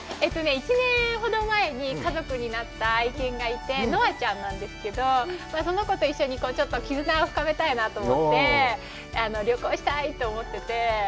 １年ほど前に家族になった愛犬がいて、ノアちゃんなんですけど、その子と一緒にちょっときずなを深めたいなと思って、旅行したいと思ってて。